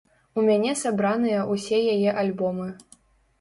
У мяне сабраныя ўсе яе альбомы.